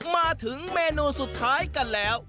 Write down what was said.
มาถึงเมนูสุดท้ายกันแล้ว